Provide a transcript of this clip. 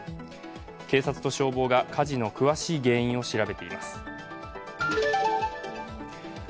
警察と消防が火事の詳しい原因を調べています。